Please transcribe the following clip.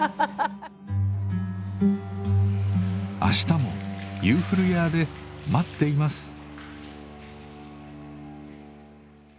あしたもゆーふるやーで待っています。